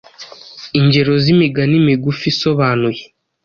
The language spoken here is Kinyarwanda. Ingero z’imigani migufi isobanuye: